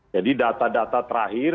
jadi data data terakhir